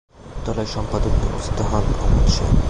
দলের সম্পাদক নির্বাচিত হন অমল সেন।